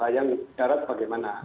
yang darat bagaimana